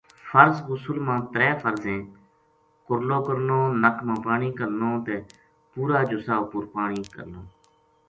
فرض ٖغسل ما ترے فرض ہیں، کرلو کرنو، نک ما پانی کہلنو تے پورا جسا اپر پانی کہلنو